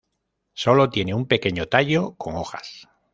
Sólo tiene un pequeño tallo con hojas.